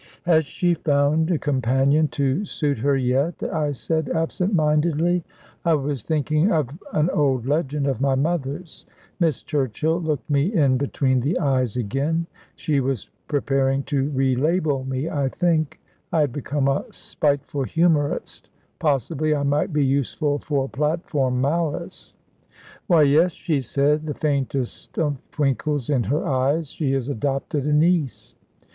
"Has she found a companion to suit her yet?" I said, absent mindedly. I was thinking of an old legend of my mother's. Miss Churchill looked me in between the eyes again. She was preparing to relabel me, I think. I had become a spiteful humourist. Possibly I might be useful for platform malice. "Why, yes," she said, the faintest of twinkles in her eyes, "she has adopted a niece."